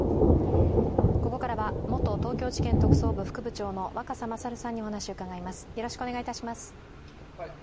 ここからは元東京地検特捜部副部長の若狭勝さんにお話をうかがいます。